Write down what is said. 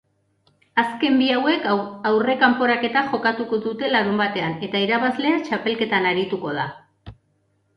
Azken bi hauek aurrekanporaketa jokatuko dute larunbatean eta irabazlea txapelketan arituko da.